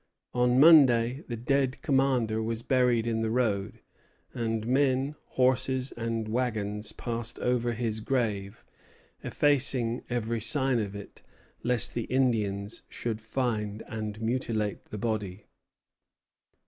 On Monday the dead commander was buried in the road; and men, horses, and wagons passed over his grave, effacing every sign of it, lest the Indians should find and mutilate the body.